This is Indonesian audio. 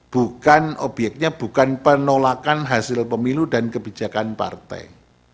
bukan obyeknya bukan penolakan hasil pemilu dan kebijakan partai